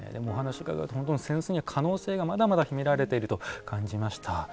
扇子には可能性がまだまだ秘められていると感じました。